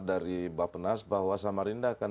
dari bapak nas bahwa samarinda akan